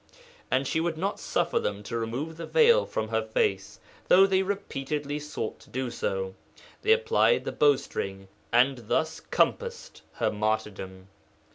As she would not suffer them to remove the veil from her face (though they repeatedly sought to do so) they applied the bow string, and thus compassed her martyrdom.